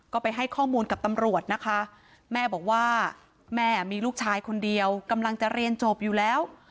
ก็ไปให้ข้อมูลกับตำรวจนะคะแม่บอกว่าแม่มีลูกชายคนเดียวกำลังจะเรียนจบอยู่แล้ว